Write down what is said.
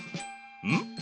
うん？